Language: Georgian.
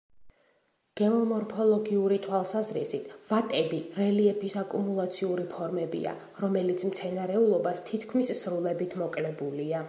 გეომორფოლოგიური თვალსაზრისით ვატები რელიეფის აკუმულაციური ფორმებია, რომელიც მცენარეულობას თითქმის სრულებით მოკლებულია.